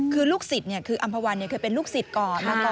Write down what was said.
คืออำภาวันเคยเป็นลูกสิทธิ์ก่อน